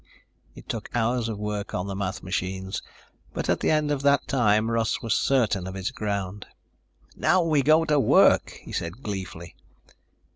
It took hours of work on the math machines, but at the end of that time Russ was certain of his ground. "Now we go to work," he said, gleefully.